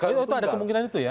itu ada kemungkinan itu ya